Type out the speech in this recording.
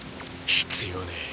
必要ねえ。